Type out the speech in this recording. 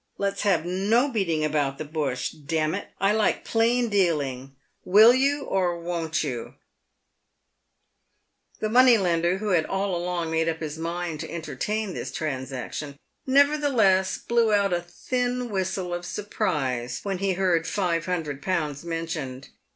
Let's have no beating about the bush. D — n it ! I like plain dealing. Will you, or won't you ?" The money lender, who had all along made up his mind to entertain PAVED WITH GOLD. 205 this transaction, nevertheless blew out a thin whistle of surprise when he heard five hundred pounds mentioned.